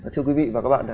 thưa quý vị và các bạn